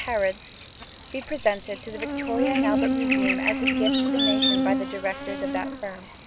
Harrod's, be presented to the Victoria and Albert Museum as a gift to the nation by the Directors of that firm.